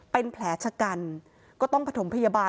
เป็นแผลชะกันก็ต้องผสมพยาบาล